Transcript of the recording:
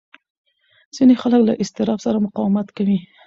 ځینې خلک له اضطراب سره مقاومت کوي.